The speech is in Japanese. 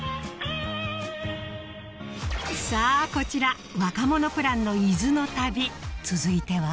さぁこちら若者プランの伊豆の旅続いては？